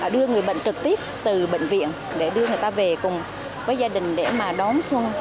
đưa người bệnh trực tiếp từ bệnh viện để đưa người ta về cùng với gia đình để mà đón xuân